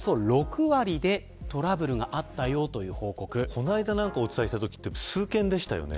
この間、お伝えしたときは数件でしたよね。